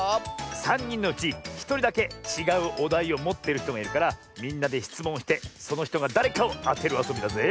さんにんのうちひとりだけちがうおだいをもってるひとがいるからみんなでしつもんをしてそのひとがだれかをあてるあそびだぜ。